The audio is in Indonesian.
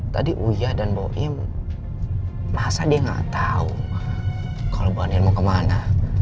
tadi uya dan bu im masa dia gak tau kalau bu andi mau kemana